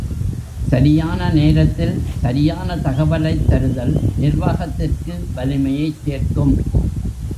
சரியான நேரத்தில் சரியான தகவலைத் தருதல் நிர்வாகத்திற்கு வலிமையைச் சேர்க்கும்.